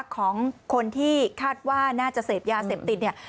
ของคนที่คาดว่าน่าจะเสพยาเสพติดเนี่ย